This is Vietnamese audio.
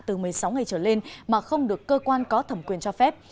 từ một mươi sáu ngày trở lên mà không được cơ quan có thẩm quyền cho phép